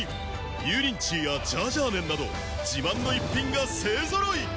油淋鶏やジャージャー麺など自慢の逸品が勢揃い！